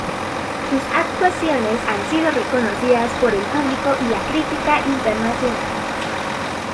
Sus actuaciones han sido reconocidas por el público y la crítica internacional.